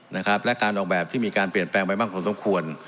นะครับและการออกแบบที่มีการเปลี่ยนแปลงไปมากพอสมควร